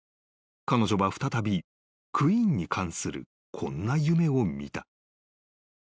［彼女は再びＱＵＥＥＮに関するこんな夢を見た］